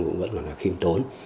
cũng vẫn gọi là khiêm tốn